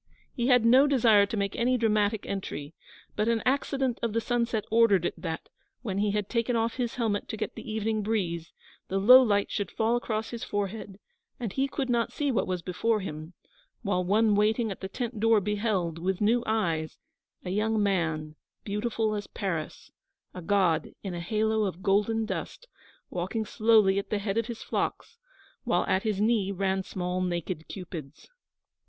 He had no desire to make any dramatic entry, but an accident of the sunset ordered it that, when he had taken off his helmet to get the evening breeze, the low light should fall across his forehead, and he could not see what was before him; while one waiting at the tent door beheld, with new eyes, a young man, beautiful as Paris, a god in a halo of golden dust, walking slowly at the head of his flocks, while at his knee ran small naked Cupids.